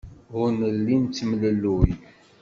Ur nelli nettemlelluy.